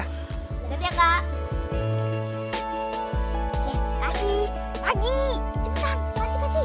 sama sama yaudah kak boy ke rumah ipang dulu ya